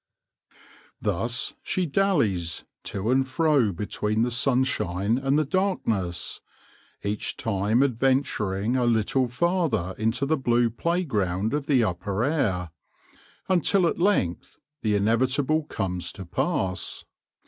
Thus she dallies, to and fro between the sunshine and the darkness, each time adventuring a little farther into the blue playground of the upper air, until at length the inevitable comes to pass.